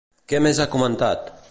Què més ha comentat?